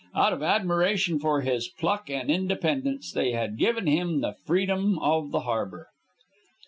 Out of admiration for his pluck and independence, they had given him the freedom of the harbor.